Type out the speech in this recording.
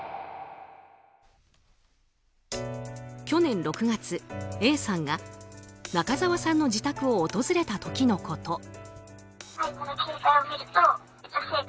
去年６月、Ａさんが中澤さんの自宅を訪れた時のこと。